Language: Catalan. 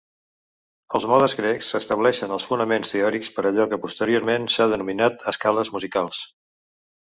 Els modes grecs estableixen els fonaments teòrics per allò que posteriorment s'ha denominat escales musicals.